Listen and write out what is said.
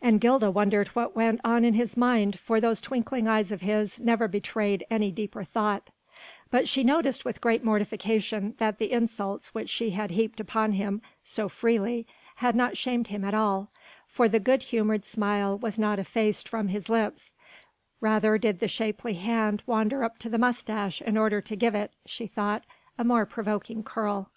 And Gilda wondered what went on in his mind for those twinkling eyes of his never betrayed any deeper thought: but she noticed with great mortification that the insults which she had heaped upon him so freely had not shamed him at all, for the good humoured smile was not effaced from his lips, rather did the shapely hand wander up to the moustache in order to give it she thought a more provoking curl.